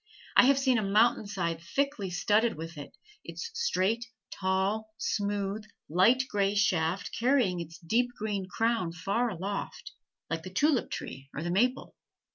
I have seen a mountain side thickly studded with it, its straight, tall, smooth, light gray shaft carrying its deep green crown far aloft, like the tulip tree or the maple.